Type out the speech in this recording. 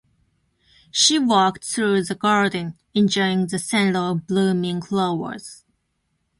She walked through the garden, enjoying the scent of blooming flowers.